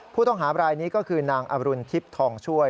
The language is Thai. ผู้ต้องหาบรายนี้ก็คือนางอรุณทิพย์ทองช่วย